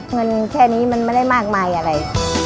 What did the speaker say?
เงินแค่นี้มันไม่ได้มากมายอะไร